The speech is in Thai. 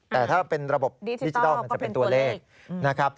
แต่ถ้าเป็นระบบดิจิทัลก็เป็นตัวเลข